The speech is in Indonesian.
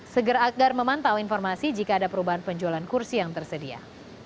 seger agar memantau informasi jika ada perubahan penjualan kursi yang tersedia